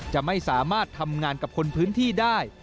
จะไม่สามารถทำงานกับคนพื้นที่ได้